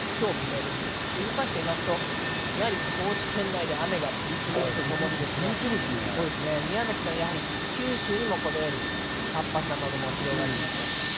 動かしてみますと、高知県内で雨が降り続くとともに、宮崎でもやはり九州でもこのように活発な雨雲が広がります。